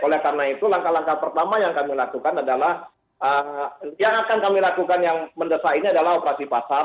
oleh karena itu langkah langkah pertama yang kami lakukan adalah yang akan kami lakukan yang mendesak ini adalah operasi pasar